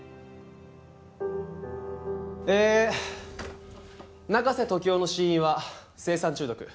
え中瀬時雄の死因は青酸中毒。